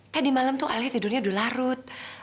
tadi malam tuh alia tidurnya udah larut